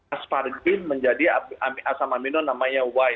asparjin menjadi asam amino namanya y